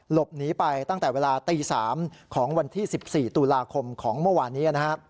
หลบหนีไปตั้งแต่เวลาตี๓ของวันที่๑๔ตุลาคมของเมื่อวานนี้